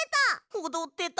おどってた！